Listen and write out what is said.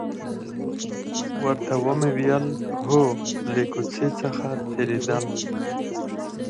ورته ومې ویل: هو، له کوڅې څخه تېرېدل.